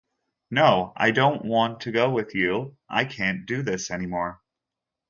No, I don't want to go with you, I can't do this anymore!